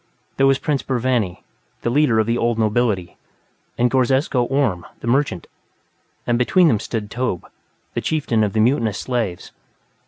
There was Prince Burvanny, the leader of the old nobility, and Ghorzesko Orhm, the merchant, and between them stood Tobbh, the chieftain of the mutinous slaves.